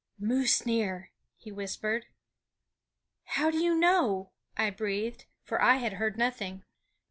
"Moose near!" he whispered. "How do you know?" I breathed; for I had heard nothing.